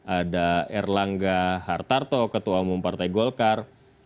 ada erlangga hartarto ketua umum partai golkar